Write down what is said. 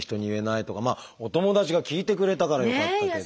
お友達が聞いてくれたからよかったけど。